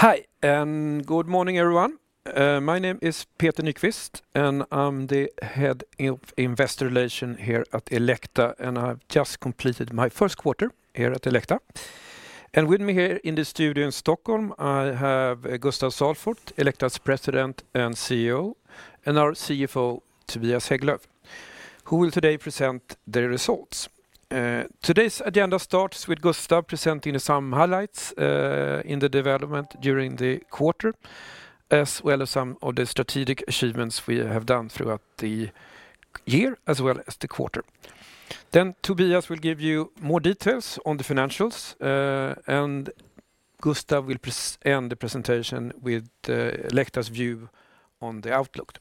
Hi, and good morning, everyone. My name is Peter Nyquist, and I'm the head of investor relations here at Elekta, and I've just completed my first quarter here at Elekta. With me here in the studio in Stockholm, I have Gustaf Salford, Elekta's President and CEO, and our CFO, Tobias Hägglöv, who will today present the results. Today's agenda starts with Gustaf presenting some highlights in the development during the quarter, as well as some of the strategic achievements we have done throughout the year, as well as the quarter. Tobias will give you more details on the financials, and Gustaf will present the presentation with Elekta's view on the outlook.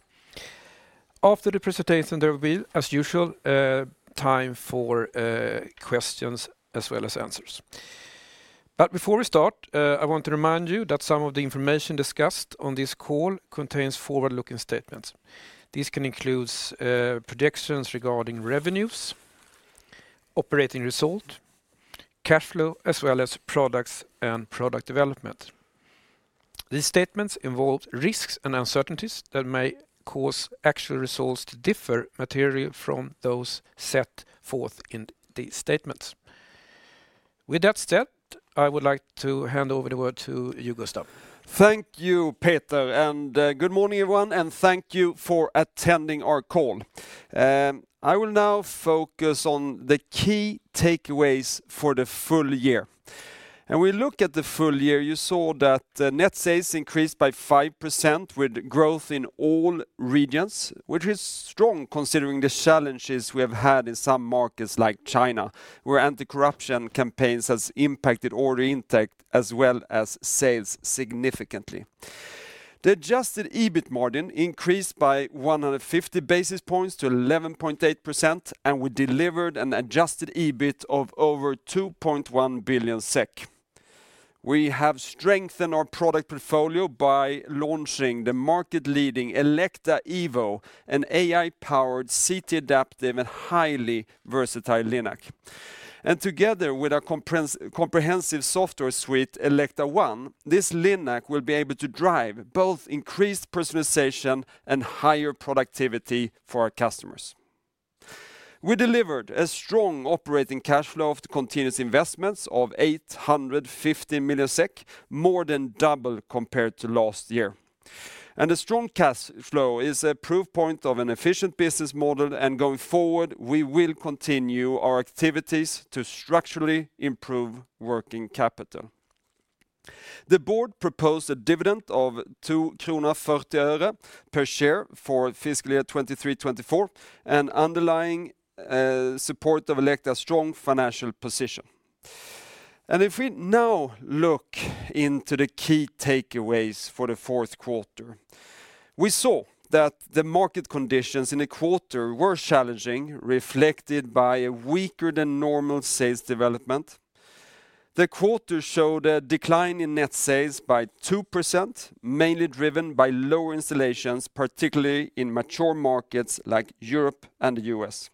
After the presentation, there will be, as usual, a time for questions as well as answers. But before we start, I want to remind you that some of the information discussed on this call contains forward-looking statements. This can include projections regarding revenues, operating result, cash flow, as well as products and product development. These statements involve risks and uncertainties that may cause actual results to differ materially from those set forth in these statements. With that said, I would like to hand over the word to you, Gustaf. Thank you, Peter, and good morning, everyone, and thank you for attending our call. I will now focus on the key takeaways for the full year. When we look at the full year, you saw that net sales increased by 5% with growth in all regions, which is strong, considering the challenges we have had in some markets like China, where anti-corruption campaigns has impacted order intake as well as sales significantly. The adjusted EBIT margin increased by 150 basis points to 11.8%, and we delivered an adjusted EBIT of over 2.1 billion SEK. We have strengthened our product portfolio by launching the market-leading Elekta Evo, an AI-powered, CT-adaptive, and highly versatile linac. Together with our comprehensive software suite, Elekta One, this linac will be able to drive both increased personalization and higher productivity for our customers. We delivered a strong operating cash flow of the continuous investments of 850 million SEK, more than double compared to last year. The strong cash flow is a proof point of an efficient business model, and going forward, we will continue our activities to structurally improve working capital. The board proposed a dividend of 2 krona 40 öre per share for fiscal year 2023-2024, underlying support of Elekta's strong financial position. If we now look into the key takeaways for the fourth quarter, we saw that the market conditions in the quarter were challenging, reflected by a weaker than normal sales development. The quarter showed a decline in net sales by 2%, mainly driven by lower installations, particularly in mature markets like Europe and the US.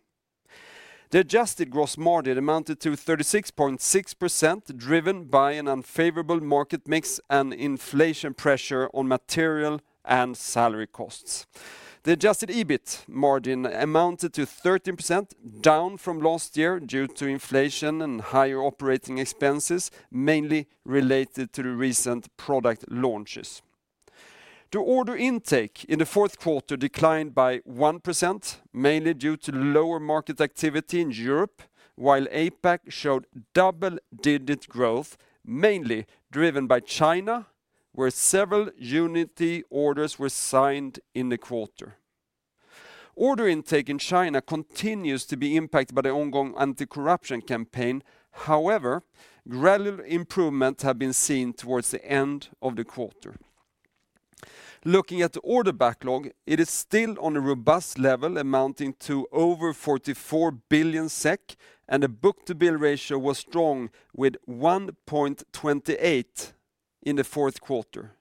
The adjusted gross margin amounted to 36.6%, driven by an unfavorable market mix and inflation pressure on material and salary costs. The adjusted EBIT margin amounted to 13%, down from last year due to inflation and higher operating expenses, mainly related to the recent product launches. The order intake in the fourth quarter declined by 1%, mainly due to lower market activity in Europe, while APAC showed double-digit growth, mainly driven by China, where several Unity orders were signed in the quarter. Order intake in China continues to be impacted by the ongoing anti-corruption campaign. However, gradual improvements have been seen towards the end of the quarter. Looking at the order backlog, it is still on a robust level, amounting to over 44 billion SEK, and the book-to-bill ratio was strong with 1.28 in the fourth quarter.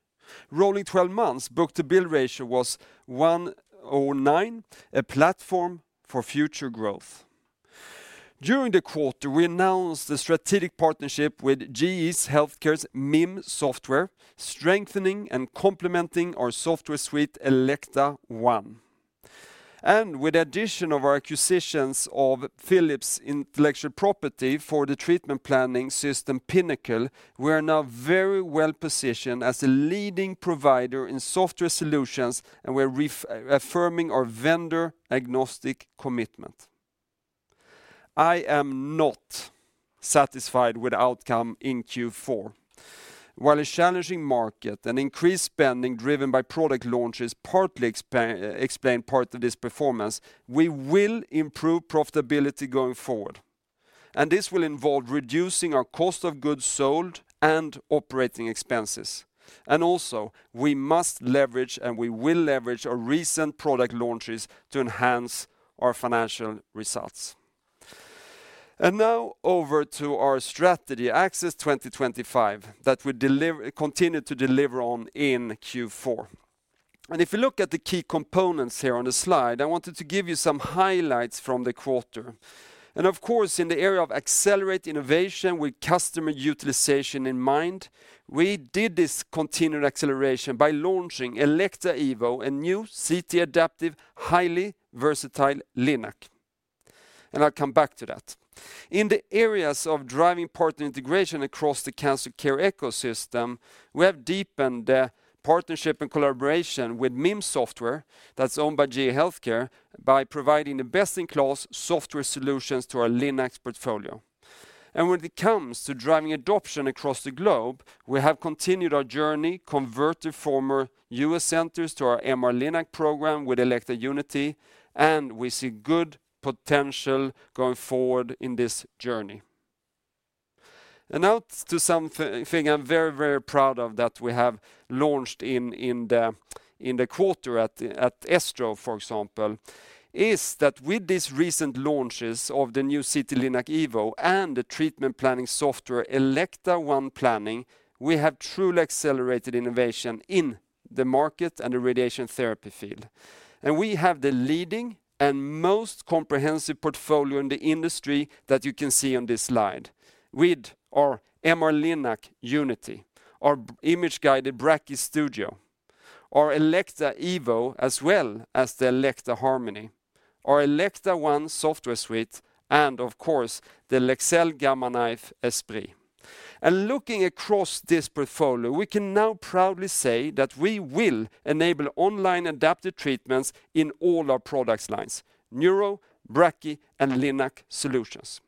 Rolling twelve months, book-to-bill ratio was 1.09, a platform for future growth. During the quarter, we announced a strategic partnership with GE HealthCare's MIM Software, strengthening and complementing our software suite, Elekta One. And with the addition of our acquisitions of Philips intellectual property for the treatment planning system, Pinnacle, we are now very well-positioned as a leading provider in software solutions, and we're reaffirming our vendor-agnostic commitment. I am not satisfied with the outcome in Q4. While a challenging market and increased spending driven by product launches partly explained part of this performance, we will improve profitability going forward. This will involve reducing our cost of goods sold and operating expenses. And also, we must leverage, and we will leverage our recent product launches to enhance our financial results. Now over to our strategy, Access 2025, that we continue to deliver on in Q4. If you look at the key components here on the slide, I wanted to give you some highlights from the quarter. Of course, in the area of accelerate innovation with customer utilization in mind, we did this continued acceleration by launching Elekta Evo, a new CT adaptive, highly versatile linac, and I'll come back to that. In the areas of driving partner integration across the cancer care ecosystem, we have deepened the partnership and collaboration with MIM Software, that's owned by GE HealthCare, by providing the best-in-class software solutions to our linac portfolio. And when it comes to driving adoption across the globe, we have continued our journey, converted former U.S. centers to our MR-linac program with Elekta Unity, and we see good potential going forward in this journey. And now to something I'm very, very proud of that we have launched in the quarter at ESTRO, for example, is that with these recent launches of the new CT-linac Evo and the treatment planning software, Elekta One Planning, we have truly accelerated innovation in the market and the radiation therapy field. And we have the leading and most comprehensive portfolio in the industry that you can see on this slide. With our MR-linac Unity, our image-guided Brachy Studio, our Elekta Evo, as well as the Elekta Harmony, our Elekta One software suite, and of course, the Leksell Gamma Knife Esprit. Looking across this portfolio, we can now proudly say that we will enable online adaptive treatments in all our product lines, neuro, brachy, and linac solutions.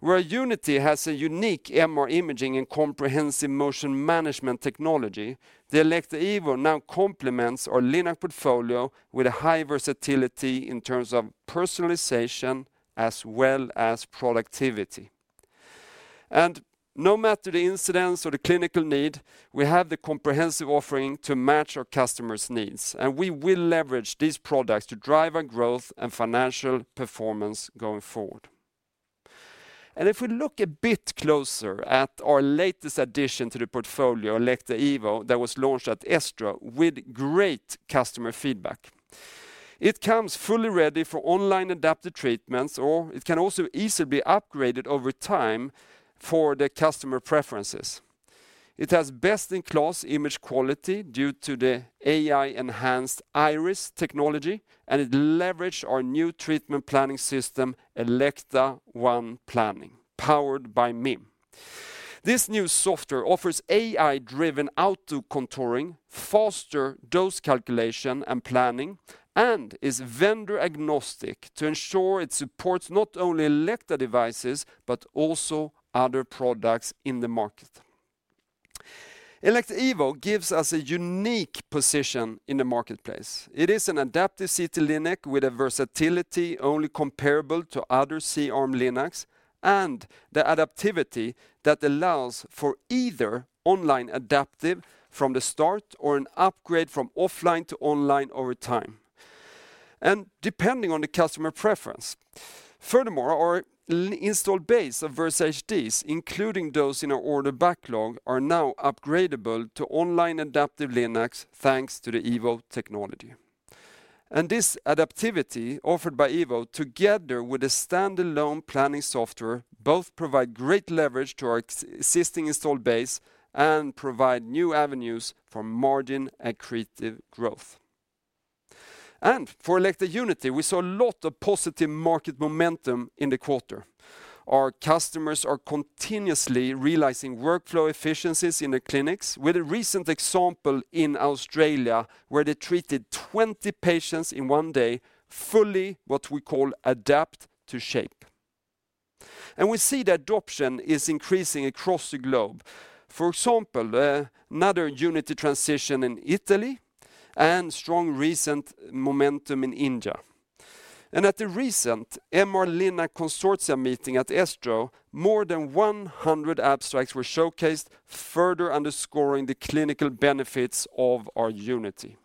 Where Unity has a unique MR imaging and comprehensive motion management technology, the Elekta Evo now complements our linac portfolio with a high versatility in terms of personalization as well as productivity. No matter the indications or the clinical need, we have the comprehensive offering to match our customers' needs, and we will leverage these products to drive our growth and financial performance going forward. If we look a bit closer at our latest addition to the portfolio, Elekta Evo, that was launched at ESTRO with great customer feedback. It comes fully ready for online adaptive treatments, or it can also easily be upgraded over time for the customer preferences. It has best-in-class image quality due to the AI-enhanced hige-res technology, and it leverage our new treatment planning system, Elekta One Planning, powered by MIM. This new software offers AI-driven auto-contouring, faster dose calculation and planning, and is vendor-agnostic to ensure it supports not only Elekta devices, but also other products in the market. Elekta Evo gives us a unique position in the marketplace. It is an adaptive CT linac with a versatility only comparable to other C-arm linac, and the adaptivity that allows for either online adaptive from the start or an upgrade from offline to online over time, and depending on the customer preference. Furthermore, our installed base of Versa HDs, including those in our order backlog, are now upgradable to online adaptive linac, thanks to the Evo technology. And this adaptivity offered by Evo, together with a standalone planning software, both provide great leverage to our existing installed base and provide new avenues for margin and creative growth. And for Elekta Unity, we saw a lot of positive market momentum in the quarter. Our customers are continuously realizing workflow efficiencies in the clinics, with a recent example in Australia, where they treated 20 patients in one day, fully, what we call, Adapt to Shape. And we see the adoption is increasing across the globe. For example, another Unity transition in Italy and strong recent momentum in India. And at the recent MR-linac Consortium Meeting at ESTRO, more than 100 abstracts were showcased, further underscoring the clinical benefits of our Unity.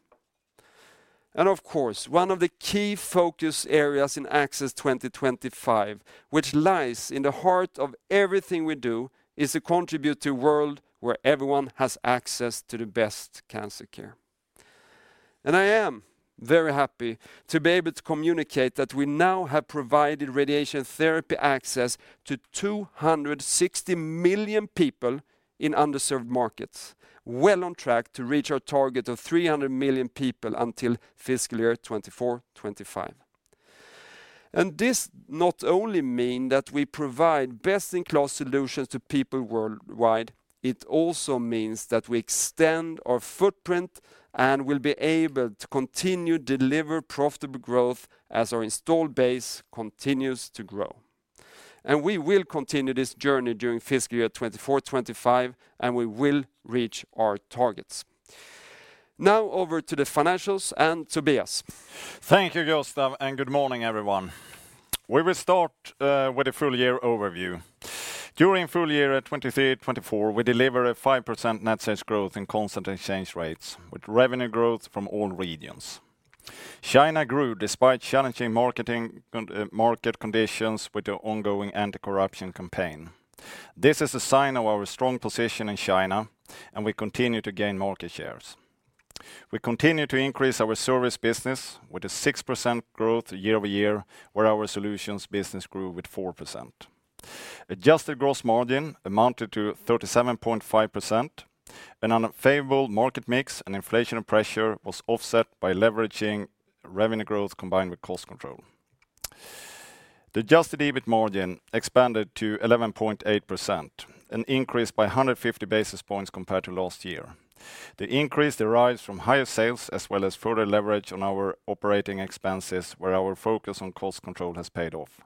Of course, one of the key focus areas in Access 2025, which lies in the heart of everything we do, is to contribute to a world where everyone has access to the best cancer care. I am very happy to be able to communicate that we now have provided radiation therapy access to 260 million people in underserved markets, well on track to reach our target of 300 million people until fiscal year 2024, 2025. This not only mean that we provide best-in-class solutions to people worldwide, it also means that we extend our footprint and will be able to continue to deliver profitable growth as our installed base continues to grow. We will continue this journey during fiscal year 2024, 2025, and we will reach our targets. Now over to the financials and Tobias. Thank you, Gustaf, and good morning, everyone. We will start with a full-year overview. During full year 2023-2024, we delivered a 5% net sales growth in constant exchange rates, with revenue growth from all regions. China grew despite challenging market conditions with the ongoing anti-corruption campaign. This is a sign of our strong position in China, and we continue to gain market shares. We continue to increase our service business with a 6% growth year-over-year, where our solutions business grew with 4%. Adjusted gross margin amounted to 37.5%. An unfavorable market mix and inflationary pressure was offset by leveraging revenue growth combined with cost control. The adjusted EBIT margin expanded to 11.8%, an increase by 150 basis points compared to last year. The increase derives from higher sales, as well as further leverage on our operating expenses, where our focus on cost control has paid off.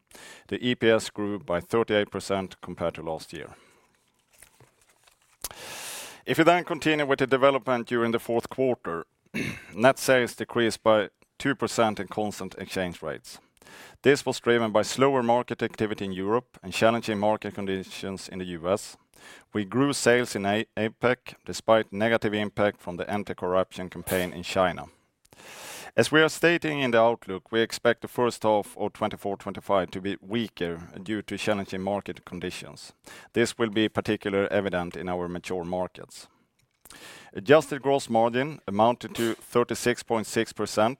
The EPS grew by 38% compared to last year. If you then continue with the development during the fourth quarter, net sales decreased by 2% in constant exchange rates. This was driven by slower market activity in Europe and challenging market conditions in the U.S. We grew sales in APAC despite negative impact from the anti-corruption campaign in China. As we are stating in the outlook, we expect the first half of 2024, 2025 to be weaker due to challenging market conditions. This will be particularly evident in our mature markets. Adjusted gross margin amounted to 36.6%,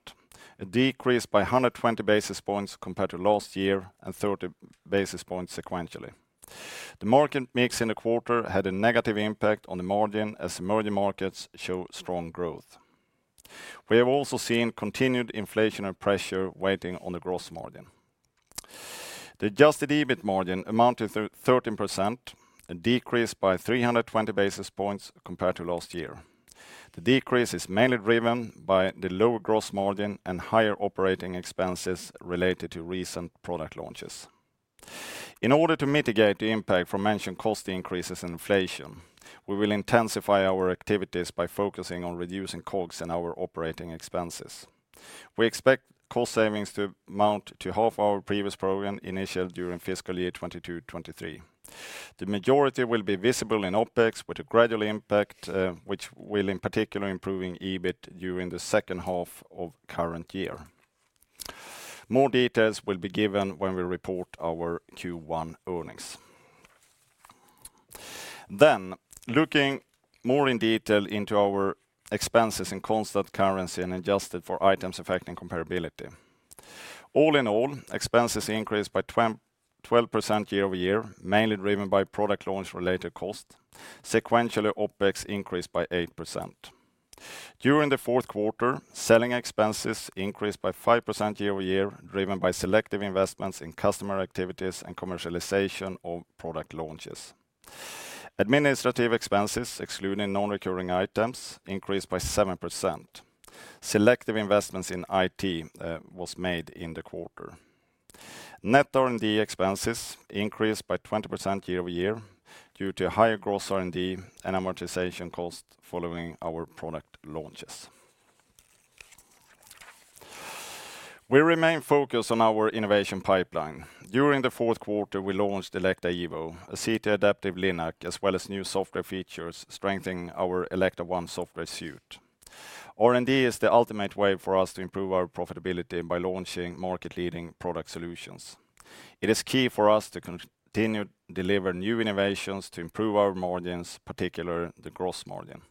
a decrease by 120 basis points compared to last year and 30 basis points sequentially. The market mix in the quarter had a negative impact on the margin as emerging markets show strong growth. We have also seen continued inflationary pressure weighting on the gross margin. The adjusted EBIT margin amounted to 13%, a decrease by 320 basis points compared to last year. The decrease is mainly driven by the lower gross margin and higher operating expenses related to recent product launches. In order to mitigate the impact from mentioned cost increases and inflation, we will intensify our activities by focusing on reducing COGS and our operating expenses. We expect cost savings to mount to half our previous program initiated during fiscal year 2022-2023. The majority will be visible in OpEx, with a gradual impact, which will in particular, improving EBIT during the second half of current year. More details will be given when we report our Q1 earnings. Then, looking more in detail into our expenses in constant currency and adjusted for items affecting comparability. All in all, expenses increased by 12% year-over-year, mainly driven by product launch-related cost. Sequentially, OpEx increased by 8%. During the fourth quarter, selling expenses increased by 5% year-over-year, driven by selective investments in customer activities and commercialization of product launches. Administrative expenses, excluding non-recurring items, increased by 7%. Selective investments in IT was made in the quarter. Net R&D expenses increased by 20% year-over-year due to higher gross R&D and amortization costs following our product launches. We remain focused on our innovation pipeline. During the fourth quarter, we launched Elekta Evo, a CT-adaptive linac, as well as new software features strengthening our Elekta One software suite. R&D is the ultimate way for us to improve our profitability by launching market-leading product solutions. It is key for us to continue to deliver new innovations to improve our margins, particularly the gross margin.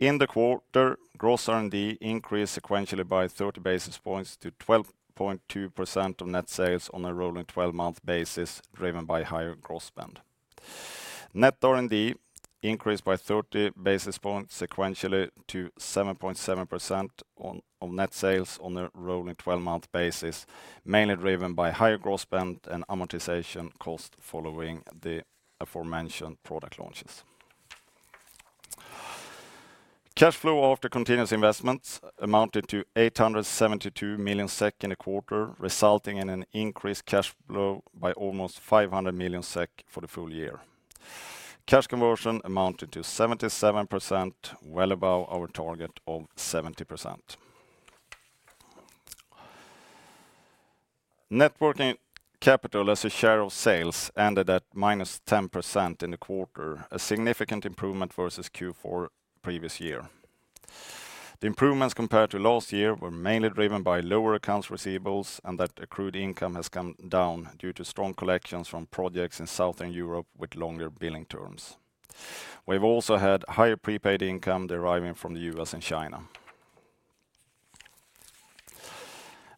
In the quarter, gross R&D increased sequentially by 30 basis points to 12.2% of net sales on a rolling twelve-month basis, driven by higher gross spend. Net R&D increased by 30 basis points sequentially to 7.7% on net sales on a rolling twelve-month basis, mainly driven by higher gross spend and amortization cost following the aforementioned product launches. Cash flow after continuous investments amounted to 872 million SEK in a quarter, resulting in an increased cash flow by almost 500 million SEK for the full year. Cash conversion amounted to 77%, well above our target of 70%. Net working capital as a share of sales ended at -10% in the quarter, a significant improvement versus Q4 previous year. The improvements compared to last year were mainly driven by lower accounts receivables, and that accrued income has come down due to strong collections from projects in Southern Europe with longer billing terms. We've also had higher prepaid income deriving from the U.S. and China.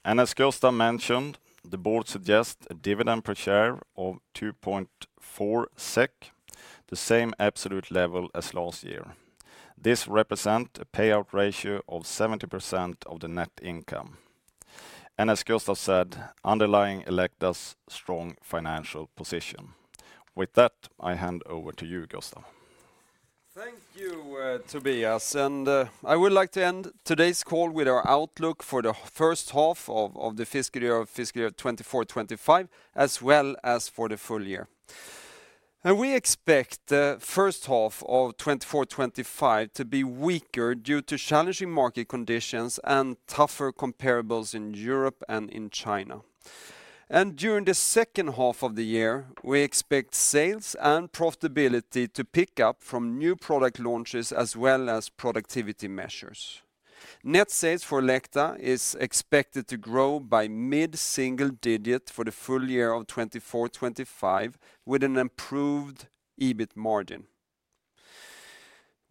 As Gustaf mentioned, the board suggests a dividend per share of 2.4 SEK, the same absolute level as last year. This represent a payout ratio of 70% of the net income, and as Gustaf said, underlying Elekta's strong financial position. With that, I hand over to you, Gustaf. Thank you, Tobias, and I would like to end today's call with our outlook for the first half of the fiscal year 2024-2025, as well as for the full year. We expect the first half of 2024-2025 to be weaker due to challenging market conditions and tougher comparables in Europe and in China... and during the second half of the year, we expect sales and profitability to pick up from new product launches as well as productivity measures. Net sales for Elekta is expected to grow by mid-single-digit for the full year of 2024-2025, with an improved EBIT margin.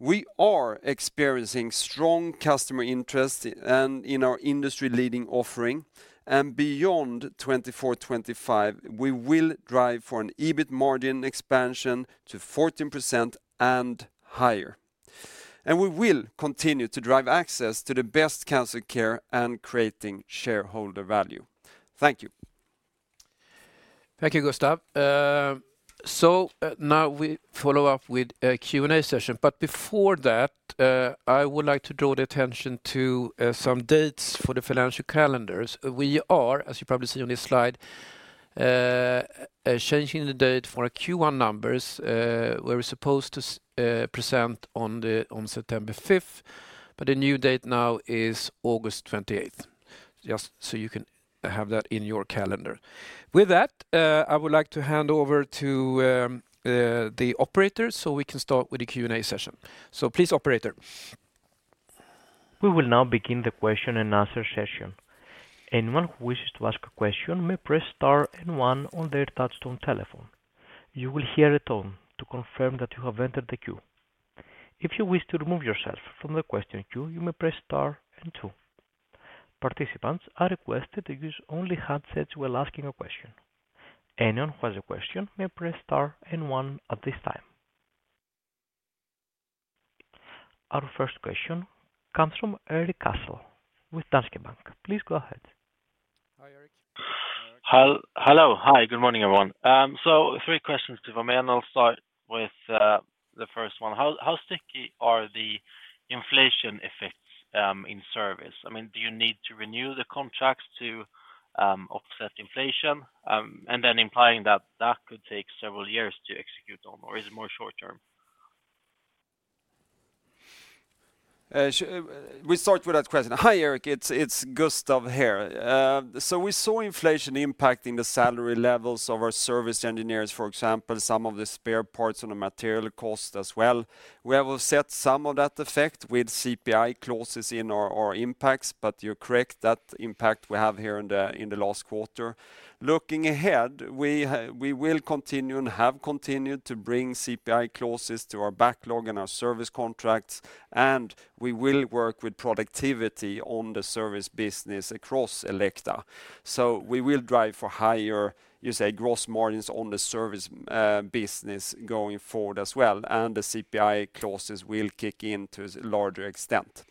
We are experiencing strong customer interest and in our industry-leading offering, and beyond 2024-2025, we will drive for an EBIT margin expansion to 14% and higher. We will continue to drive access to the best cancer care and creating shareholder value. Thank you. Thank you, Gustaf. So, now we follow up with a Q&A session. But before that, I would like to draw the attention to some dates for the financial calendars. We are, as you probably see on this slide, changing the date for our Q1 numbers, where we're supposed to present on September fifth, but the new date now is August twenty-eighth. Just so you can have that in your calendar. With that, I would like to hand over to the operator, so we can start with the Q&A session. So please, operator. We will now begin the question and answer session. Anyone who wishes to ask a question may press star and one on their touchtone telephone. You will hear a tone to confirm that you have entered the queue. If you wish to remove yourself from the question queue, you may press star and two. Participants are requested to use only handsets while asking a question. Anyone who has a question may press star and one at this time. Our first question comes from Erik Cassel with Danske Bank. Please go ahead. Hi, Erik. Hello. Hi, good morning, everyone. So three questions to begin, and I'll start with the first one. How sticky are the inflation effects in service? I mean, do you need to renew the contracts to offset inflation? And then implying that that could take several years to execute on, or is it more short term? We start with that question. Hi, Erik, it's Gustaf here. So we saw inflation impacting the salary levels of our service engineers, for example, some of the spare parts and the material cost as well. We have offset some of that effect with CPI clauses in our contracts, but you're correct, that impact we have here in the last quarter. Looking ahead, we will continue and have continued to bring CPI clauses to our backlog and our service contracts, and we will work with productivity on the service business across Elekta. So we will drive for higher, you say, gross margins on the service business going forward as well, and the CPI clauses will kick in to a larger extent.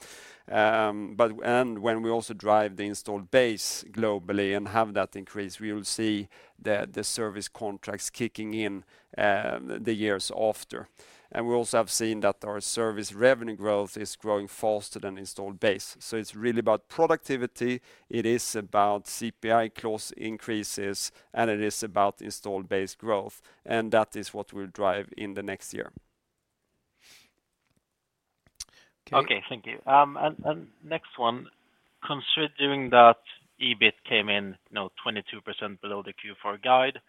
When we also drive the installed base globally and have that increase, we will see the service contracts kicking in the years after. And we also have seen that our service revenue growth is growing faster than installed base. So it's really about productivity, it is about CPI clause increases, and it is about installed base growth, and that is what we'll drive in the next year. Okay, thank you. And next one, considering that EBIT came in, you know, 22% below the Q4 guide,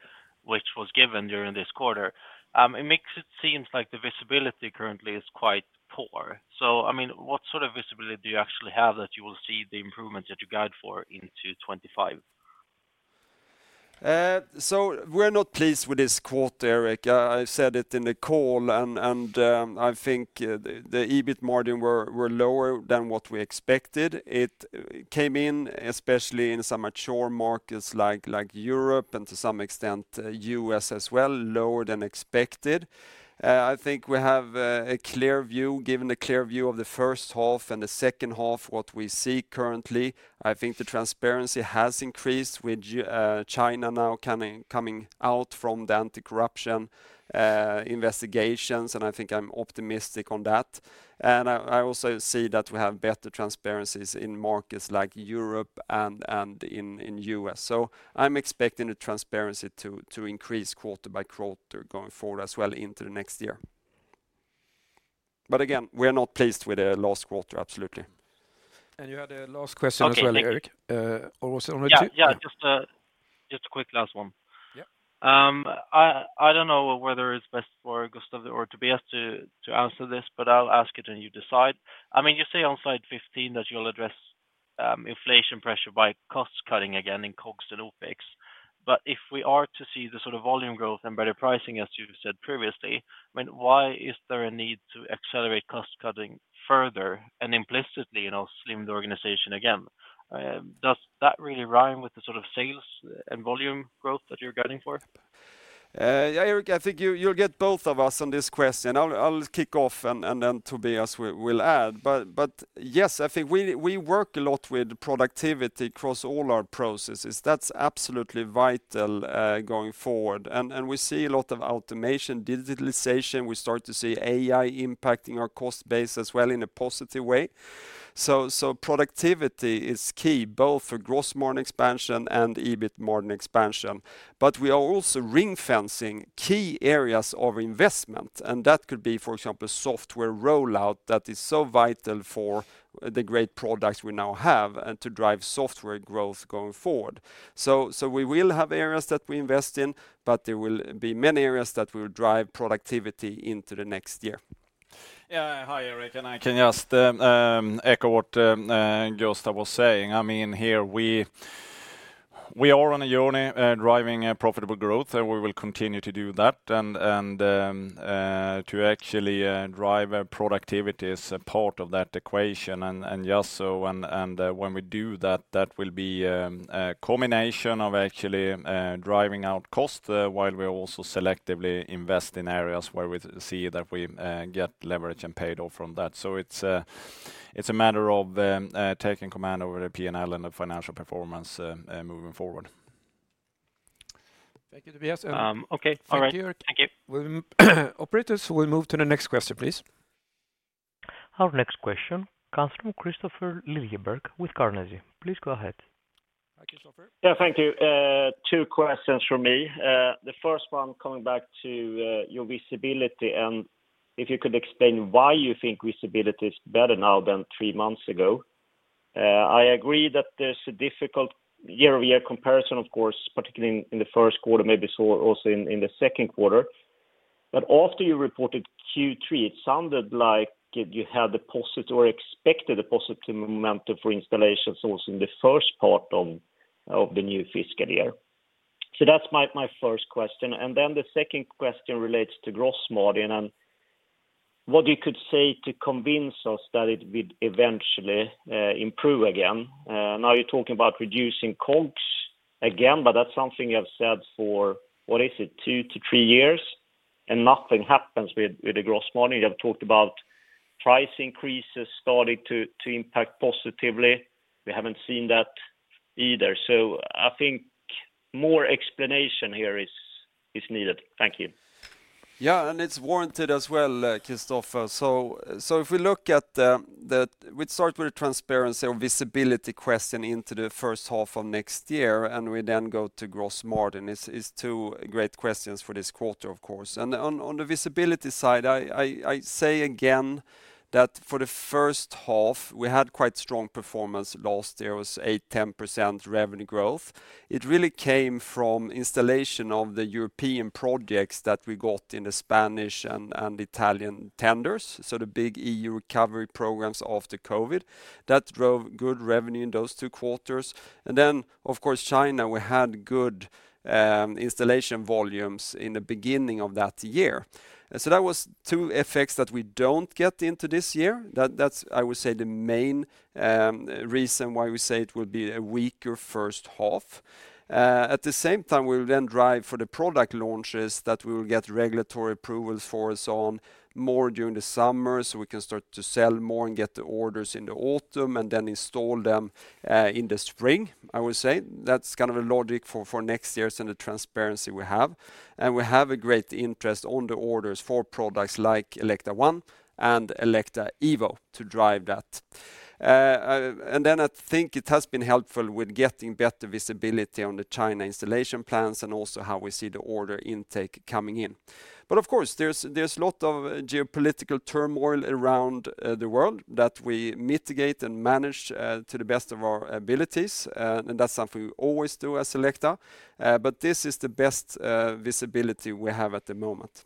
which was given during this quarter, it makes it seems like the visibility currently is quite poor. So, I mean, what sort of visibility do you actually have that you will see the improvement that you guide for into 2025? So we're not pleased with this quote, Eric. I said it in the call, and I think the EBIT margin were lower than what we expected. It came in, especially in some mature markets like Europe, and to some extent, US as well, lower than expected. I think we have a clear view, given the clear view of the first half and the second half, what we see currently. I think the transparency has increased with China now coming out from the anti-corruption investigations, and I think I'm optimistic on that. And I also see that we have better transparencies in markets like Europe and in US. So I'm expecting the transparency to increase quarter by quarter, going forward as well into the next year. But again, we are not pleased with the last quarter, absolutely. You had a last question as well, Erik, also on- Yeah, yeah, just a, just a quick last one. Yeah. I don't know whether it's best for Gustaf or Tobias to answer this, but I'll ask it, and you decide. I mean, you say on slide 15 that you'll address inflation pressure by cost cutting again in COGS and OpEx. But if we are to see the sort of volume growth and better pricing, as you said previously, I mean, why is there a need to accelerate cost cutting further and implicitly, you know, slim the organization again? Does that really rhyme with the sort of sales and volume growth that you're guiding for? Yeah, Erik, I think you'll get both of us on this question. I'll kick off, and then Tobias will add. But yes, I think we work a lot with productivity across all our processes. That's absolutely vital going forward. And we see a lot of automation, digitalization; we start to see AI impacting our cost base as well in a positive way. So productivity is key, both for gross margin expansion and EBIT margin expansion. But we are also ring-fencing key areas of investment, and that could be, for example, software rollout that is so vital for the great products we now have and to drive software growth going forward. So we will have areas that we invest in, but there will be many areas that will drive productivity into the next year. Yeah. Hi, Erik, and I can just echo what Gustaf was saying. I mean, here we- ... We are on a journey, driving a profitable growth, and we will continue to do that. To actually drive our productivity is a part of that equation. When we do that, that will be a combination of actually driving out cost, while we also selectively invest in areas where we see that we get leverage and paid off from that. So it's a matter of taking command over the PNL and the financial performance, moving forward. Thank you, Tobias. Okay. All right. Thank you. Thank you. Operators, we'll move to the next question, please. Our next question comes from Kristofer Liljeberg with Carnegie. Please go ahead. Hi, Kristoffer. Yeah, thank you. Two questions from me. The first one, coming back to your visibility, and if you could explain why you think visibility is better now than 3 months ago? I agree that there's a difficult year-over-year comparison, of course, particularly in the first quarter, maybe so also in the second quarter. But after you reported Q3, it sounded like you had a positive or expected a positive momentum for installations also in the first part of the new fiscal year. So that's my first question. And then the second question relates to gross margin, and what you could say to convince us that it will eventually improve again. Now you're talking about reducing COGS again, but that's something you have said for, what is it? 2-3 years, and nothing happens with the gross margin. You have talked about price increases starting to impact positively. We haven't seen that either. I think more explanation here is needed. Thank you. Yeah, and it's warranted as well, Kristofer. So if we look at the, we'd start with the transparency or visibility question into the first half of next year, and we then go to gross margin. It's two great questions for this quarter, of course. And on the visibility side, I say again, that for the first half, we had quite strong performance last year. It was 8%-10% revenue growth. It really came from installation of the European projects that we got in the Spanish and Italian tenders, so the big EU recovery programs after COVID. That drove good revenue in those two quarters. And then, of course, China, we had good installation volumes in the beginning of that year. And so that was two effects that we don't get into this year. That's, I would say, the main reason why we say it would be a weaker first half. At the same time, we will then drive for the product launches that we will get regulatory approvals for, so on, more during the summer, so we can start to sell more and get the orders in the autumn, and then install them in the spring, I would say. That's kind of the logic for next year's and the transparency we have. And we have a great interest on the orders for products like Elekta One and Elekta Evo to drive that. And then I think it has been helpful with getting better visibility on the China installation plans and also how we see the order intake coming in. But of course, there's a lot of geopolitical turmoil around the world that we mitigate and manage to the best of our abilities. And that's something we always do as Elekta. But this is the best visibility we have at the moment.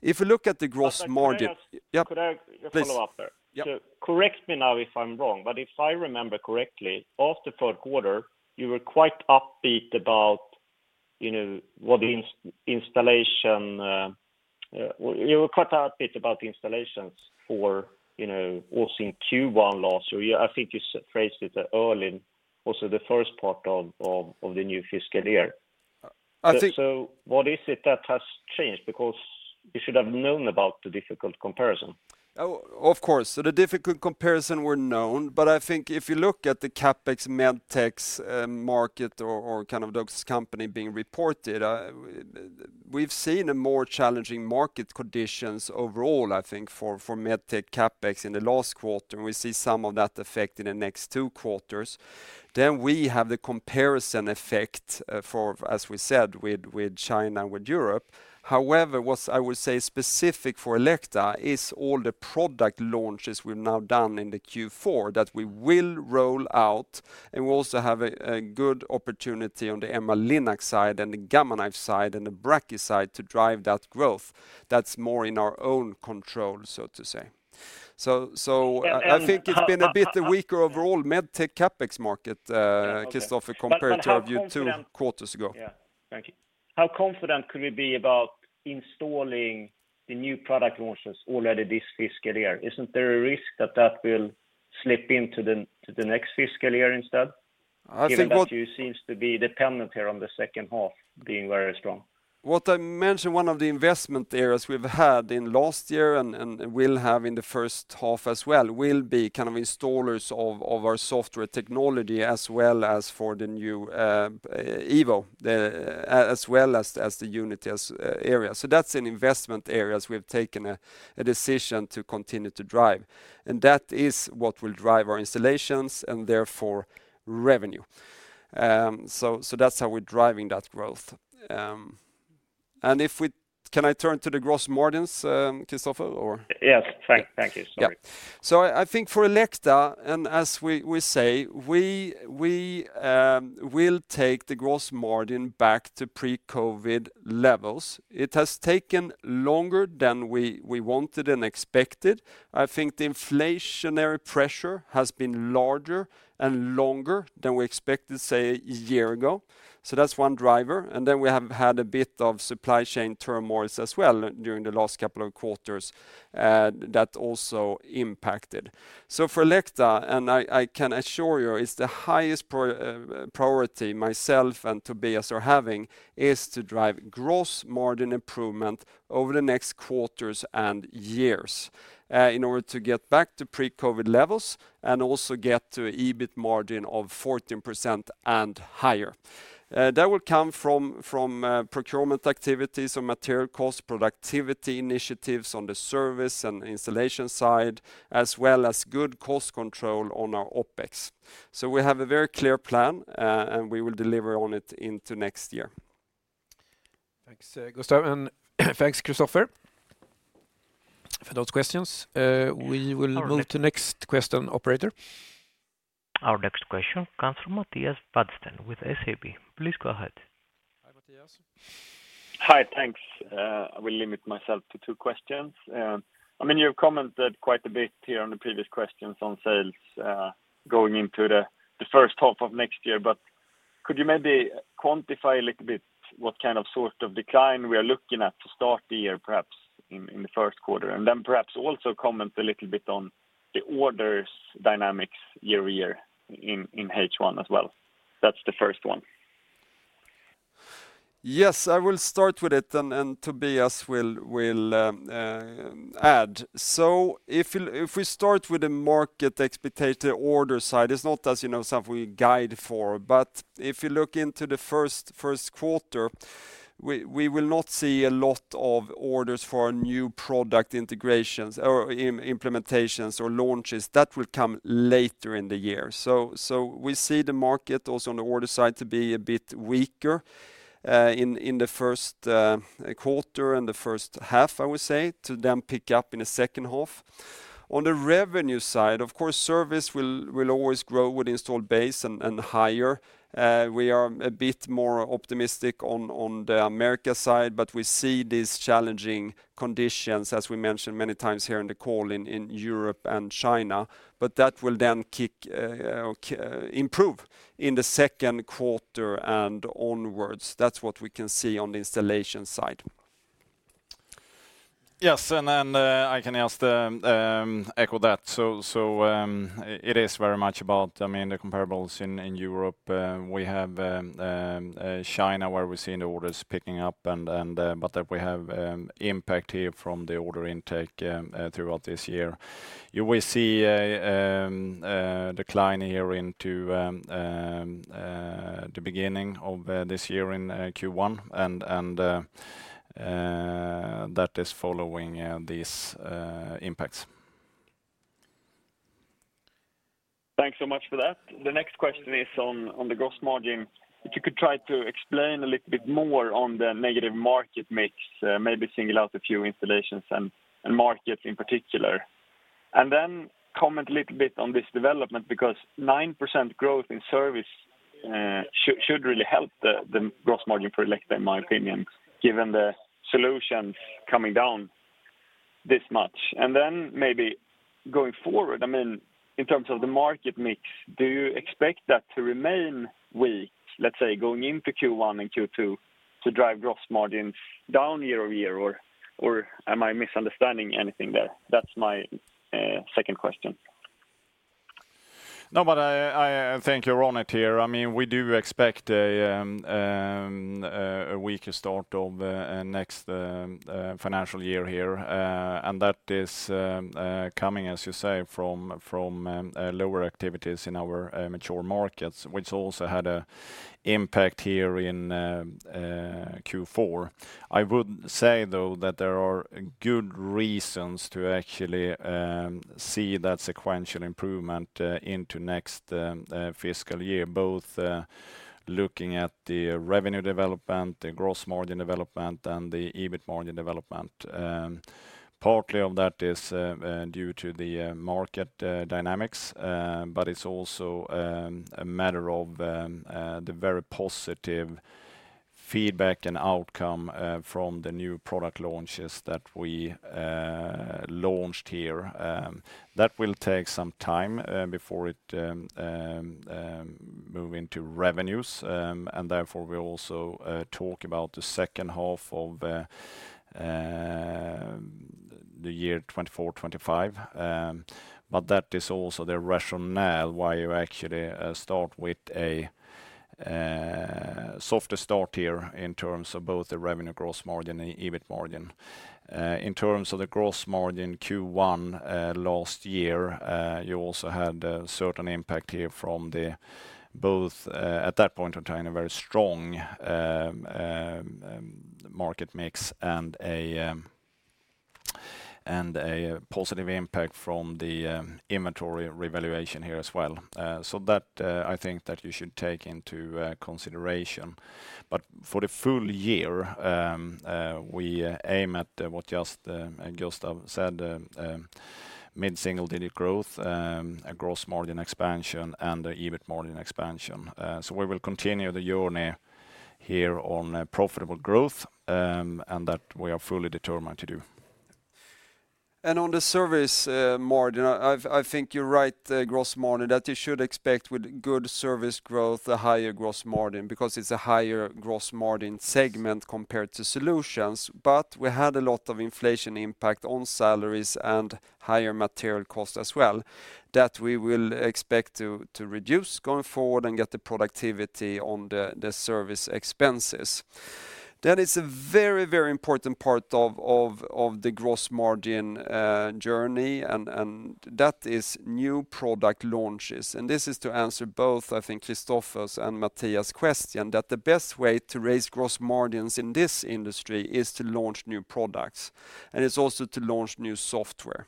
If you look at the gross margin- But can I ask- Yeah. Could I- Please. Just follow up there? Yeah. So correct me if I'm wrong, but if I remember correctly, after third quarter, you were quite upbeat about, you know, the installations. You were quite upbeat about the installations for, you know, also in Q1 last year. I think you phrased it early, also the first part of the new fiscal year. I think- What is it that has changed? Because you should have known about the difficult comparison. Oh, of course. So the difficult comparison were known, but I think if you look at the CapEx, MedTech's, market or kind of those company being reported, we've seen a more challenging market conditions overall, I think, for MedTech CapEx in the last quarter, and we see some of that effect in the next two quarters. Then we have the comparison effect, for, as we said, with China and with Europe. However, what I would say specific for Elekta is all the product launches we've now done in the Q4, that we will roll out, and we also have a good opportunity on the MR linac side and the Gamma Knife side and the Brachy side to drive that growth. That's more in our own control, so to say. So, so- And, and, uh... I think it's been a bit weaker overall, MedTech CapEx market, Kristofer- Yeah, okay -compared to a few quarters ago. But how confident? Yeah. Thank you. How confident could we be about installing the new product launches already this fiscal year? Isn't there a risk that that will slip into the, to the next fiscal year instead? I think what- Given that you seem to be dependent here on the second half being very strong. What I mentioned, one of the investment areas we've had in last year and will have in the first half as well, will be kind of installers of our software technology, as well as for the new Evo, as well as the Unity area. So that's an investment areas we have taken a decision to continue to drive, and that is what will drive our installations and therefore revenue. So that's how we're driving that growth. And can I turn to the gross margins, Kristofer, or? Yes, thank you. Sorry. Yeah. So I think for Elekta, and as we say, we will take the gross margin back to pre-COVID levels. It has taken longer than we wanted and expected. I think the inflationary pressure has been larger and longer than we expected, say, a year ago. So that's one driver, and then we have had a bit of supply chain turmoil as well, during the last couple of quarters, that also impacted. So for Elekta, and I can assure you, it's the highest priority myself and Tobias are having, is to drive gross margin improvement over the next quarters and years, in order to get back to pre-COVID levels and also get to EBIT margin of 14% and higher. That will come from procurement activities on material cost, productivity initiatives on the service and installation side, as well as good cost control on our OpEx. So we have a very clear plan, and we will deliver on it into next year. Thanks, Gustaf, and thanks, Kristofer, for those questions. We will- Our next- Move to next question, operator. Our next question comes from Mattias Vadsten with SEB. Please go ahead. Hi, Mattias. Hi, thanks. I will limit myself to two questions. I mean, you've commented quite a bit here on the previous questions on sales, going into the first half of next year, but could you maybe quantify a little bit what kind of sort of decline we are looking at to start the year, perhaps in the first quarter? And then perhaps also comment a little bit on the orders dynamics year over year in H1 as well. That's the first one. Yes, I will start with it, and Tobias will add. So if we start with the market expectation order side, it's not, as you know, something we guide for, but if you look into the first quarter, we will not see a lot of orders for new product integrations or implementations or launches. That will come later in the year. So we see the market, also on the order side, to be a bit weaker in the first quarter and the first half, I would say, to then pick up in the second half. On the revenue side, of course, service will always grow with installed base and higher. We are a bit more optimistic on the Americas side, but we see these challenging conditions, as we mentioned many times here in the call, in Europe and China, but that will then improve in the second quarter and onwards. That's what we can see on the installation side. Yes, and then I can also echo that. So it is very much about, I mean, the comparables in Europe. We have China, where we're seeing the orders picking up, but that we have impact here from the order intake throughout this year. You will see a decline here into the beginning of this year in Q1, and that is following these impacts. Thanks so much for that. The next question is on the gross margin. If you could try to explain a little bit more on the negative market mix, maybe single out a few installations and markets in particular. And then comment a little bit on this development, because 9% growth in service should really help the gross margin for Elekta, in my opinion, given the solutions coming down this much. And then maybe going forward, I mean, in terms of the market mix, do you expect that to remain weak, let's say, going into Q1 and Q2, to drive gross margin down year over year, or am I misunderstanding anything there? That's my second question. No, but I think you're on it here. I mean, we do expect a weaker start of next financial year here. And that is coming, as you say, from lower activities in our mature markets, which also had a impact here in Q4. I would say, though, that there are good reasons to actually see that sequential improvement into next fiscal year, both looking at the revenue development, the gross margin development, and the EBIT margin development. Partly of that is due to the market dynamics, but it's also a matter of the very positive feedback and outcome from the new product launches that we launched here. That will take some time before it move into revenues. And therefore, we also talk about the second half of the year 2024, 2025. But that is also the rationale why you actually start with a softer start here in terms of both the revenue gross margin and EBIT margin. In terms of the gross margin, Q1 last year, you also had a certain impact here from the both, at that point in time, a very strong market mix and a... and a positive impact from the inventory revaluation here as well. So that I think that you should take into consideration. But for the full year, we aim at what just Gustaf said, mid-single-digit growth, a gross margin expansion, and an EBIT margin expansion. So we will continue the journey here on profitable growth, and that we are fully determined to do. On the service margin, I think you're right, the gross margin that you should expect with good service growth, a higher gross margin, because it's a higher gross margin segment compared to solutions. But we had a lot of inflation impact on salaries and higher material costs as well, that we will expect to reduce going forward and get the productivity on the service expenses. Then it's a very, very important part of the gross margin journey, and that is new product launches. And this is to answer both, I think, Kristofer's and Mattias' question, that the best way to raise gross margins in this industry is to launch new products, and it's also to launch new software.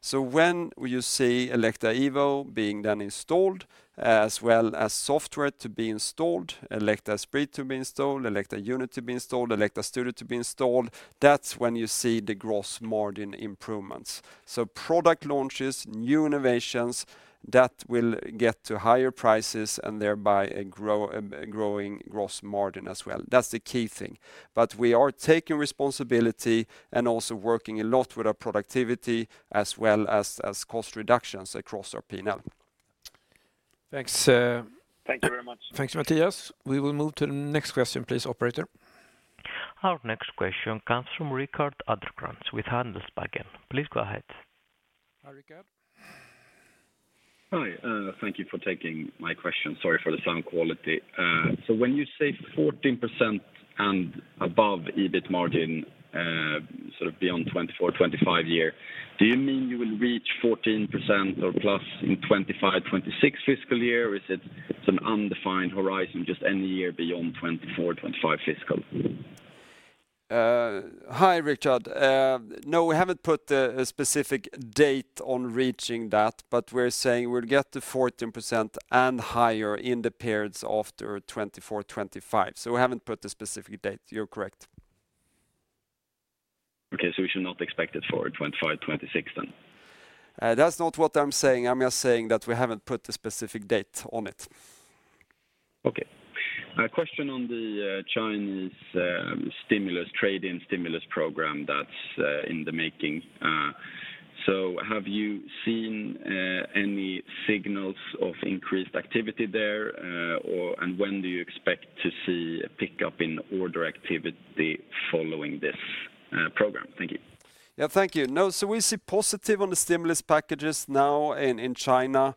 So when you see Elekta Evo being done installed, as well as software to be installed, Elekta Esprit to be installed, Elekta Unity to be installed, Elekta Studio to be installed, that's when you see the gross margin improvements. So product launches, new innovations, that will get to higher prices, and thereby a growing gross margin as well. That's the key thing. But we are taking responsibility and also working a lot with our productivity as well as, as cost reductions across our P&L. Thanks, uh- Thank you very much. Thanks, Mattias. We will move to the next question, please, operator. Our next question comes from Rickard Anderkrans with Handelsbanken. Please go ahead. Hi, Rickard. Hi, thank you for taking my question. Sorry for the sound quality. So when you say 14% and above EBIT margin, sort of beyond 2024, 2025 year, do you mean you will reach 14% or plus in 2025, 2026 fiscal year? Or is it some undefined horizon, just any year beyond 2024, 2025 fiscal? Hi, Rickard. No, we haven't put a specific date on reaching that, but we're saying we'll get to 14% and higher in the periods after 2024, 2025. So we haven't put a specific date. You're correct. Okay. So we should not expect it for 2025, 2026, then? That's not what I'm saying. I'm just saying that we haven't put a specific date on it. Okay. A question on the Chinese stimulus, trade-in stimulus program that's in the making. So have you seen any signals of increased activity there, or and when do you expect to see a pickup in order activity following this program? Thank you. Yeah, thank you. No, so we see positive on the stimulus packages now in China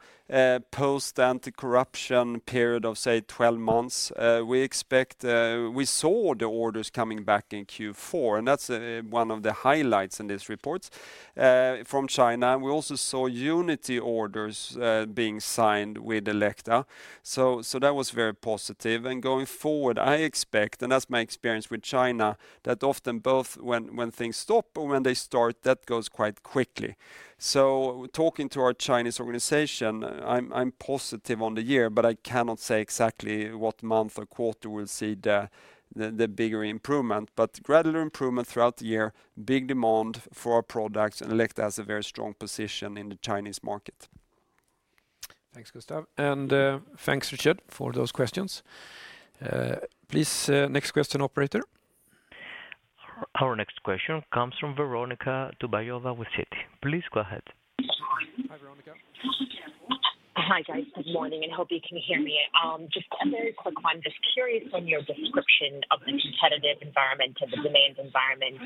post-anti-corruption period of, say, 12 months. We expect we saw the orders coming back in Q4, and that's one of the highlights in this report from China. We also saw Unity orders being signed with Elekta, so that was very positive. And going forward, I expect, and that's my experience with China, that often both when things stop or when they start, that goes quite quickly. So talking to our Chinese organization, I'm positive on the year, but I cannot say exactly what month or quarter we'll see the bigger improvement, but gradual improvement throughout the year, big demand for our products, and Elekta has a very strong position in the Chinese market. Thanks, Gustaf, and thanks, Rickard, for those questions. Please, next question, operator. Our next question comes from Veronika Dubajova with Citi. Please go ahead. Hi, Veronika. Hi, guys. Good morning, and hope you can hear me. Just a very quick one. Just curious on your description of the competitive environment and the demand environment.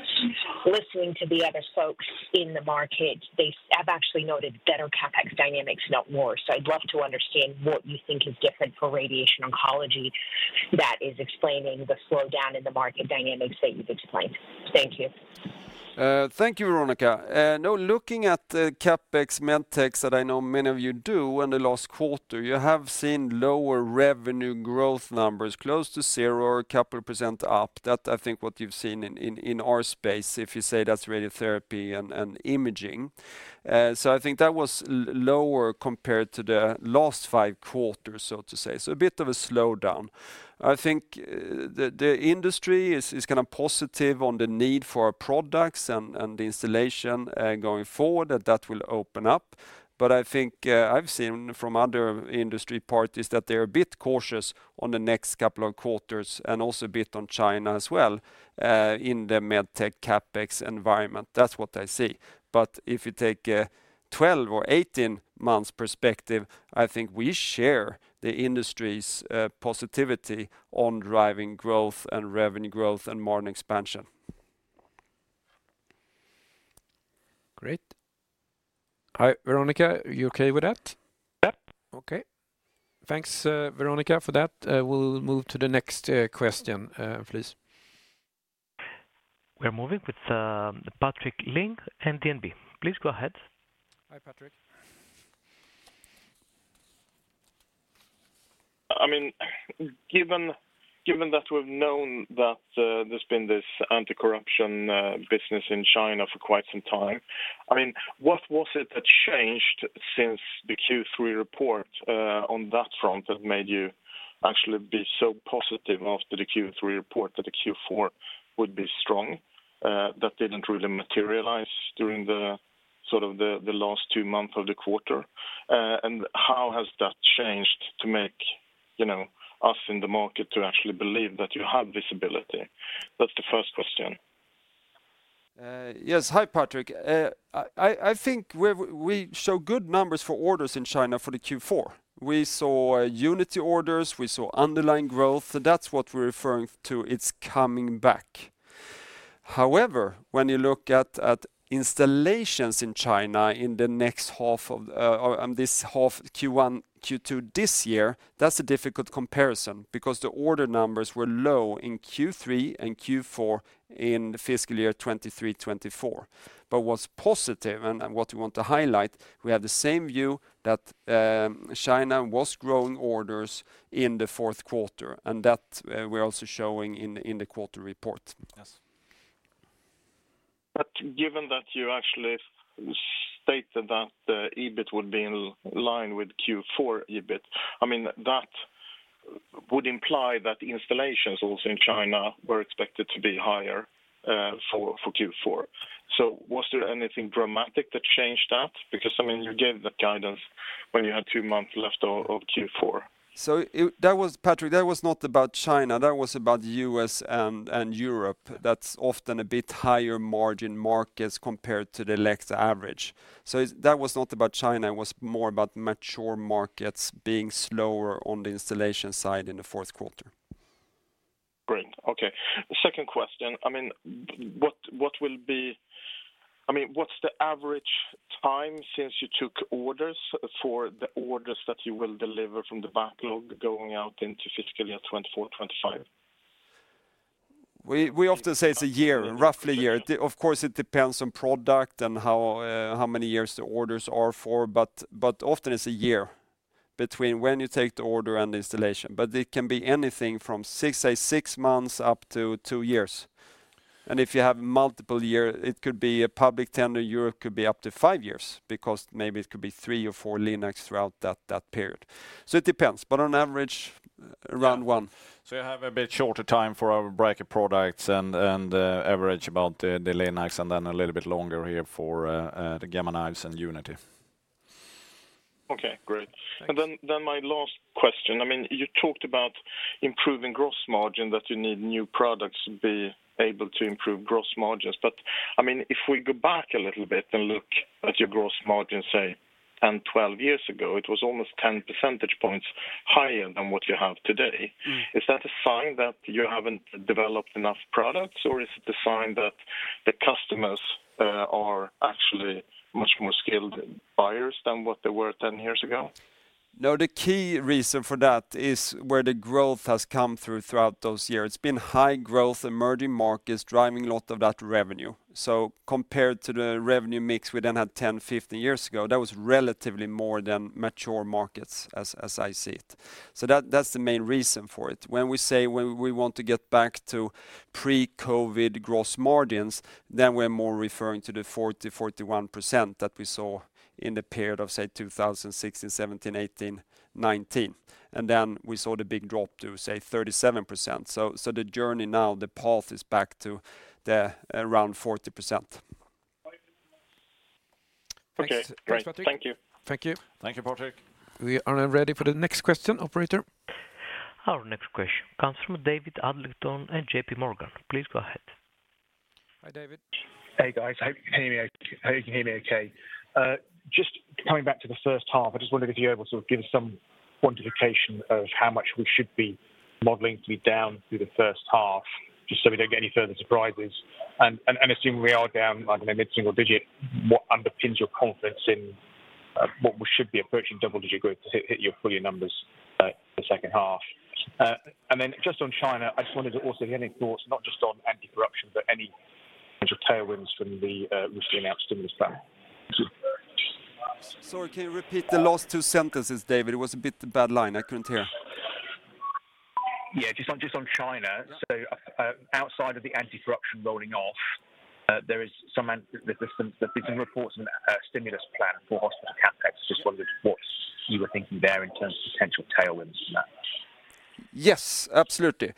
Listening to the other folks in the market, they have actually noted better CapEx dynamics, not more. So I'd love to understand what you think is different for radiation oncology that is explaining the slowdown in the market dynamics that you described. Thank you. Thank you, Veronika. Now, looking at the CapEx MedTech, that I know many of you do in the last quarter, you have seen lower revenue growth numbers, close to zero or a couple % up. That, I think, what you've seen in our space, if you say that's radiotherapy and imaging. So I think that was lower compared to the last five quarters, so to say. So a bit of a slowdown. I think the industry is kind of positive on the need for our products and the installation going forward, that that will open up. But I think I've seen from other industry parties that they're a bit cautious on the next couple of quarters, and also a bit on China as well in the MedTech CapEx environment. That's what I see. But if you take a 12- or 18-month perspective, I think we share the industry's positivity on driving growth and revenue growth and margin expansion. Great. Hi, Veronika, are you okay with that? Yep. Okay. Thanks, Veronika, for that. We'll move to the next question, please. We're moving with, Patrik Ling, DNB. Please go ahead. Hi, Patrik. I mean, given that we've known that there's been this anti-corruption business in China for quite some time, I mean, what was it that changed since the Q3 report on that front that made you actually be so positive after the Q3 report that the Q4 would be strong? That didn't really materialize during, sort of, the last two months of the quarter. And how has that changed to make, you know, us in the market to actually believe that you have visibility? That's the first question. Yes. Hi, Patrick. I think we show good numbers for orders in China for the Q4. We saw Unity orders, we saw underlying growth, so that's what we're referring to, it's coming back. However, when you look at installations in China in the next half of on this half, Q1, Q2 this year, that's a difficult comparison, because the order numbers were low in Q3 and Q4, in the fiscal year 2023, 2024. But what's positive, and what we want to highlight, we have the same view that China was growing orders in the fourth quarter, and that we're also showing in the quarter report. Yes. But given that you actually stated that the EBIT would be in line with Q4 EBIT, I mean, that would imply that the installations also in China were expected to be higher for Q4. So was there anything dramatic that changed that? Because, I mean, you gave that guidance when you had two months left of Q4. So, that was, Patrik, that was not about China. That was about U.S. and Europe. That's often a bit higher margin markets compared to the Elekta average. So, that was not about China, it was more about mature markets being slower on the installation side in the fourth quarter. Great, okay. Second question, I mean, what will be—I mean, what's the average time since you took orders for the orders that you will deliver from the backlog going out into fiscal year 2024, 2025? We often say it's a year, roughly a year. Of course, it depends on product and how, how many years the orders are for, but often it's a year between when you take the order and the installation. But it can be anything from six, say, six months up to two years. And if you have multiple year, it could be a public tender, Europe could be up to five years, because maybe it could be three or four linacs throughout that period. So it depends, but on average, around one. So you have a bit shorter time for our brachy products and average about the linacs, and then a little bit longer here for the Gamma Knives and Unity. Okay, great. Thanks. And then my last question. I mean, you talked about improving gross margin, that you need new products to be able to improve gross margins. But, I mean, if we go back a little bit and look at your gross margin, say, 10, 12 years ago, it was almost 10 percentage points higher than what you have today. Mm. Is that a sign that you haven't developed enough products, or is it a sign that the customers are actually much more skilled buyers than what they were 10 years ago? No, the key reason for that is where the growth has come through throughout those years. It's been high growth, emerging markets, driving a lot of that revenue. So compared to the revenue mix we then had 10, 15 years ago, that was relatively more than mature markets, as, as I see it. So that, that's the main reason for it. When we say, when we want to get back to pre-COVID gross margins, then we're more referring to the 40%-41% that we saw in the period of, say, 2016, 2017, 2018, 2019. And then we saw the big drop to, say, 37%. So, so the journey now, the path is back to the around 40%. Okay. Thanks, Patrick. Great. Thank you. Thank you. Thank you, Patrik. We are now ready for the next question, operator. Our next question comes from David Adlington in J.P. Morgan. Please go ahead. Hi, David. Hey, guys. Hope you can hear me okay. Just coming back to the first half, I just wondered if you were able to give some quantification of how much we should be modeling to be down through the first half, just so we don't get any further surprises. And assuming we are down, like, in a mid-single digit, what underpins your confidence in what we should be approaching double-digit growth to hit your full year numbers the second half? And then just on China, I just wondered if also you had any thoughts, not just on anti-corruption, but any kind of tailwinds from the recently announced stimulus plan. Sorry, can you repeat the last two sentences, David? It was a bit bad line, I couldn't hear. Yeah, just on, just on China. So, outside of the anti-corruption rolling off, there is some, there's some, there's been reports on a stimulus plan for hospital CapEx. Just wondered what you were thinking there in terms of potential tailwinds from that? Yes, absolutely.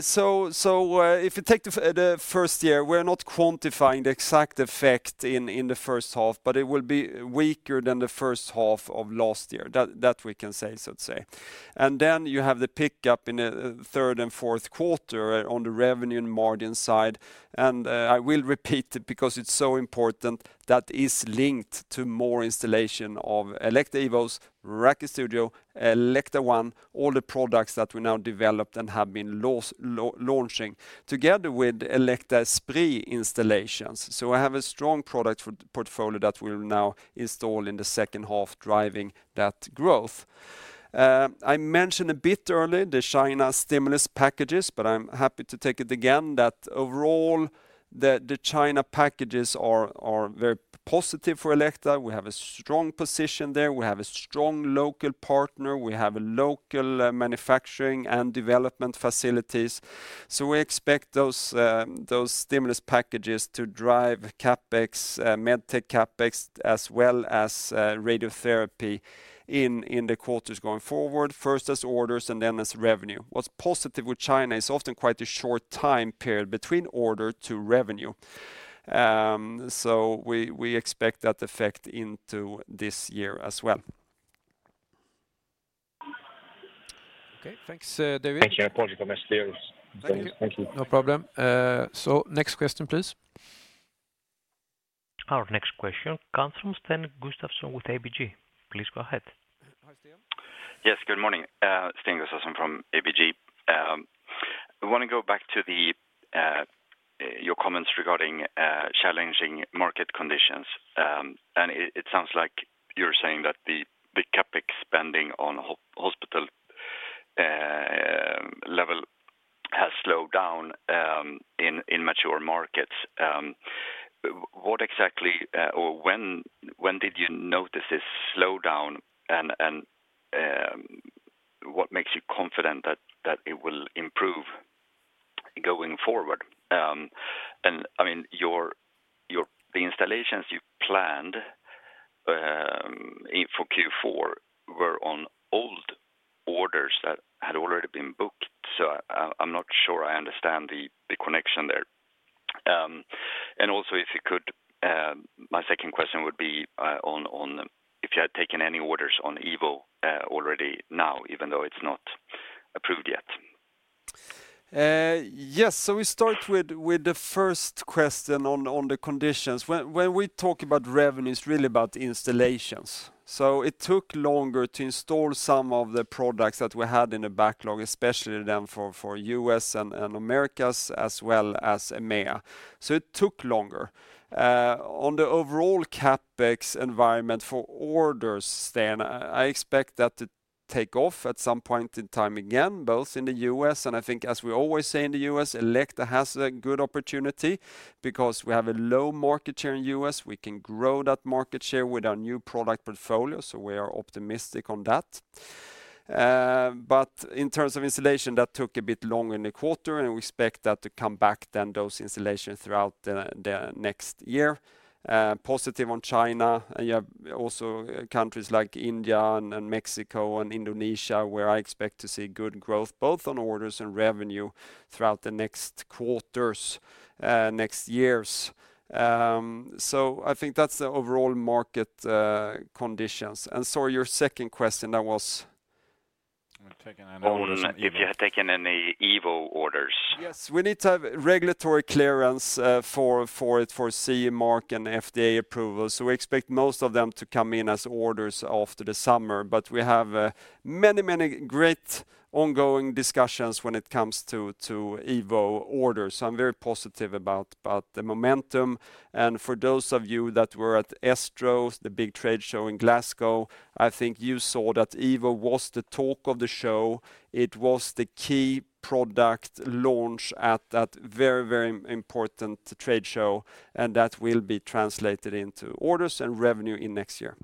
So, if you take the first year, we're not quantifying the exact effect in the first half, but it will be weaker than the first half of last year. That we can say, so to say. And then you have the pickup in the third and fourth quarter on the revenue and margin side. And I will repeat it, because it's so important, that is linked to more installation of Elekta Evos, Elekta Studio, Elekta One, all the products that we now developed and have been launching, together with Elekta Esprit installations. So we have a strong product portfolio that we'll now install in the second half, driving that growth. I mentioned a bit earlier the China stimulus packages, but I'm happy to take it again, that overall, the China packages are very positive for Elekta. We have a strong position there. We have a strong local partner. We have a local manufacturing and development facilities. So we expect those stimulus packages to drive CapEx, MedTech CapEx, as well as, radiotherapy in the quarters going forward, first as orders and then as revenue. What's positive with China is often quite a short time period between order to revenue. So we expect that effect into this year as well. Okay, thanks, David. Thank you, apologies for my start. Thank you. Thank you. No problem. So next question, please. Our next question comes from Sten Gustafsson with ABG. Please go ahead. Hi, Sten. Yes, good morning. Sten Gustafsson from ABG. I want to go back to your comments regarding challenging market conditions. It sounds like you're saying that the CapEx spending on hospital level has slowed down in mature markets. What exactly or when did you notice this slowdown, and what makes you confident that it will improve going forward? I mean, your installations you planned in for Q4 were on old orders that had already been booked, so I'm not sure I understand the connection there. Also, if you could, my second question would be on if you had taken any orders on Evo already now, even though it's not approved yet. Yes. So we start with the first question on the conditions. When we talk about revenue, it's really about the installations. So it took longer to install some of the products that we had in the backlog, especially then for U.S. and Americas as well as EMEA. So it took longer. On the overall CapEx environment for orders, Sten, I expect that to take off at some point in time again, both in the U.S., and I think, as we always say, in the U.S., Elekta has a good opportunity because we have a low market share in U.S. We can grow that market share with our new product portfolio, so we are optimistic on that. But in terms of installation, that took a bit longer in the quarter, and we expect that to come back then, those installations, throughout the next year. Positive on China, and you have also countries like India and Mexico and Indonesia, where I expect to see good growth, both on orders and revenue, throughout the next quarters, next years. So I think that's the overall market conditions. And sorry, your second question, that was? Have you taken any orders on Evo? If you had taken any Evo orders? Yes, we need to have regulatory clearance for it, for CE mark and FDA approval, so we expect most of them to come in as orders after the summer. But we have many, many great ongoing discussions when it comes to Evo orders, so I'm very positive about the momentum. And for those of you that were at ESTRO, the big trade show in Glasgow, I think you saw that Evo was the talk of the show. It was the key product launch at that very, very important trade show, and that will be translated into orders and revenue in next year.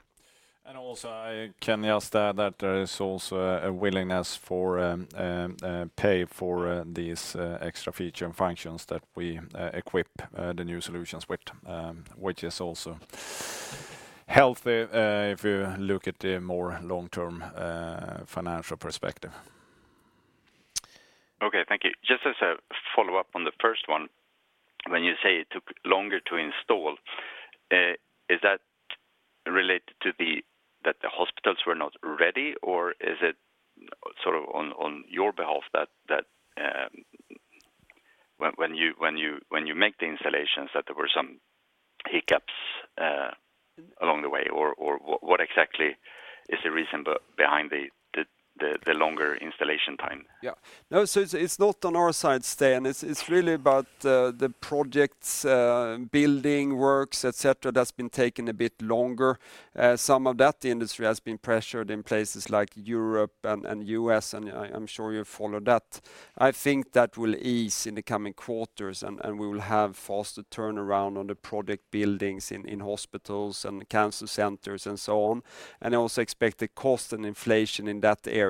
Also, I can add that there is also a willingness to pay for these extra features and functions that we equip the new solutions with, which is also healthy if you look at the longer-term financial perspective. Okay, thank you. Just as a follow-up on the first one, when you say it took longer to install, is that related to that the hospitals were not ready, or is it sort of on your behalf that when you make the installations, that there were some hiccups along the way? Or what exactly is the reason behind the longer installation time? Yeah. No, so it's not on our side, Sten. It's really about the projects, building works, et cetera, that's been taking a bit longer. Some of that industry has been pressured in places like Europe and U.S., and I'm sure you follow that. I think that will ease in the coming quarters, and we will have faster turnaround on the project buildings in hospitals and cancer centers and so on. And I also expect the cost and inflation in that area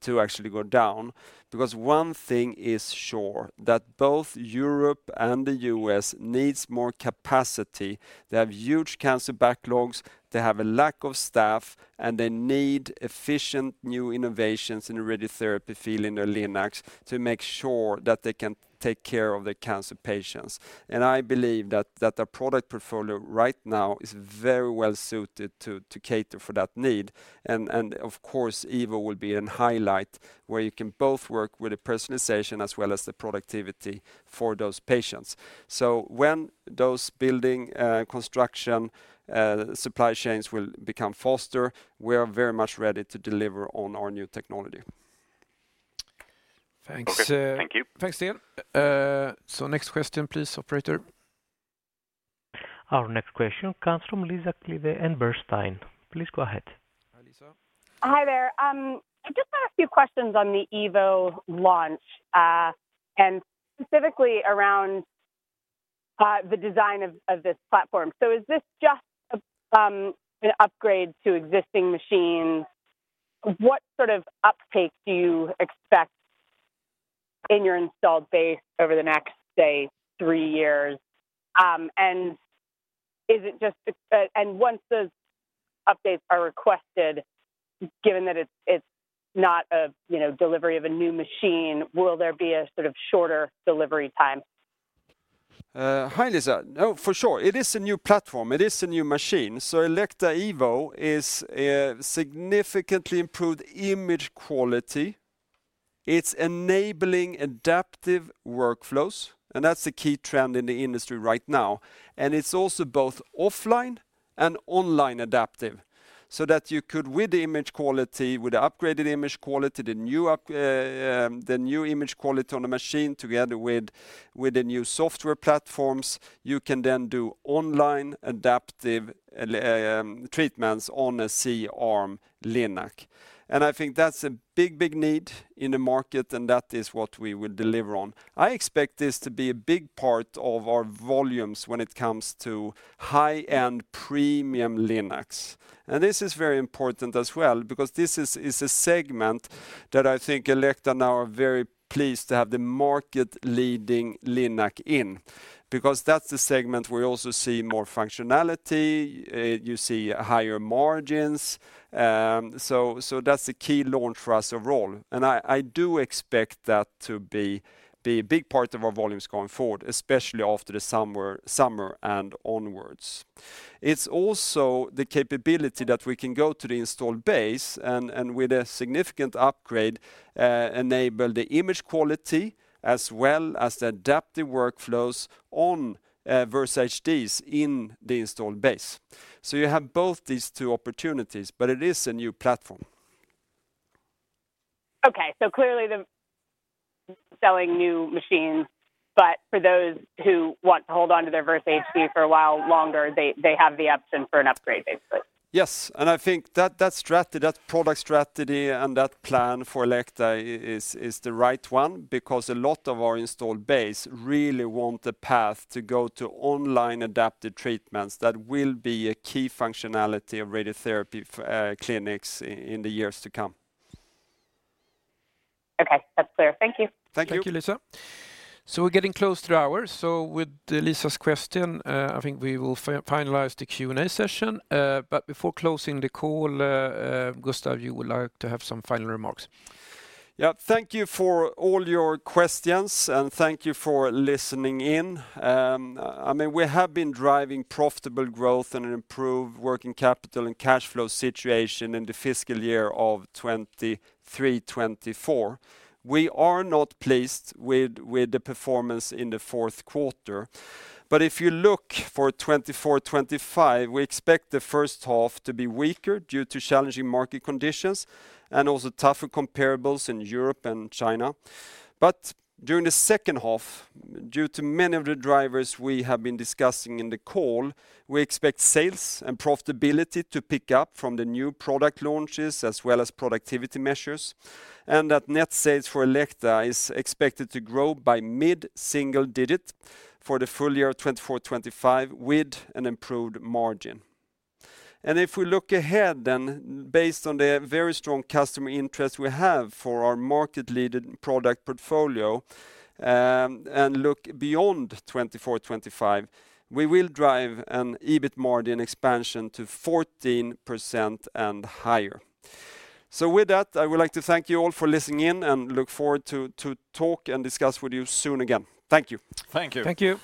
to actually go down. Because one thing is sure, that both Europe and the U.S. needs more capacity. They have huge cancer backlogs, they have a lack of staff, and they need efficient new innovations in radiotherapy, fielding the linacs, to make sure that they can take care of their cancer patients. And I believe that, that their product portfolio right now is very well suited to, to cater for that need. And, and of course, Evo will be in highlight, where you can both work with the personalization as well as the productivity for those patients. So when those building, construction, supply chains will become faster, we are very much ready to deliver on our new technology. Thanks. Okay. Thank you. Thanks, Sten. So next question, please, operator. Our next question comes from Lisa Clive at Bernstein. Please go ahead. Hi, Lisa. Hi there. I just have a few questions on the Evo launch, and specifically around the design of this platform. So is this just an upgrade to existing machines? What sort of uptake do you expect in your installed base over the next, say, three years? And is it just the... Once those updates are requested, given that it's not a, you know, delivery of a new machine, will there be a sort of shorter delivery time?... Hi, Lisa. No, for sure, it is a new platform. It is a new machine. So Elekta Evo is a significantly improved image quality. It's enabling adaptive workflows, and that's the key trend in the industry right now. And it's also both offline and online adaptive, so that you could, with the image quality, with the upgraded image quality, the new image quality on the machine, together with the new software platforms, you can then do online adaptive treatments on a C-arm Llnac. And I think that's a big, big need in the market, and that is what we will deliver on. I expect this to be a big part of our volumes when it comes to high-end premium linacs. This is very important as well, because this is a segment that I think Elekta now are very pleased to have the market-leading linac in. Because that's the segment we also see more functionality, you see higher margins. So that's a key launch for us overall. And I do expect that to be a big part of our volumes going forward, especially after the summer and onwards. It's also the capability that we can go to the installed base, and with a significant upgrade, enable the image quality as well as the adaptive workflows on Versa HDs in the installed base. So you have both these two opportunities, but it is a new platform. Okay, so clearly the selling new machines, but for those who want to hold on to their Versa HD for a while longer, they, they have the option for an upgrade, basically? Yes, and I think that, that strategy, that product strategy and that plan for Elekta is, is the right one, because a lot of our installed base really want the path to go to online adaptive treatments. That will be a key functionality of radiotherapy clinics in the years to come. Okay, that's clear. Thank you. Thank you. Thank you, Lisa. So we're getting close to the hour. With Lisa's question, I think we will finalize the Q&A session. But before closing the call, Gustaf, you would like to have some final remarks. Yeah, thank you for all your questions, and thank you for listening in. I mean, we have been driving profitable growth and improved working capital and cash flow situation in the fiscal year of 2023-2024. We are not pleased with the performance in the fourth quarter, but if you look for 2024-2025, we expect the first half to be weaker due to challenging market conditions and also tougher comparables in Europe and China. But during the second half, due to many of the drivers we have been discussing in the call, we expect sales and profitability to pick up from the new product launches as well as productivity measures, and that net sales for Elekta is expected to grow by mid-single digit for the full year of 2024-2025, with an improved margin. If we look ahead, then, based on the very strong customer interest we have for our market-leading product portfolio, and look beyond 2024-2025, we will drive an EBIT margin expansion to 14% and higher. With that, I would like to thank you all for listening in and look forward to talk and discuss with you soon again. Thank you. Thank you. Thank you!